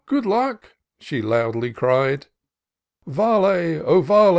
good luck !" she loudly cried ;'' Vale